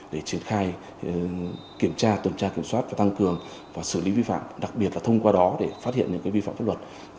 để triển khai kiểm tra tuần tra kiểm soát và tăng cường và xử lý vi phạm đặc biệt là thông qua đó để phát hiện những vi phạm pháp luật